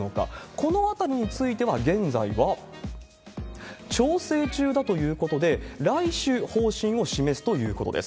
このあたりについては、現在は調整中だということで、来週、方針を示すということです。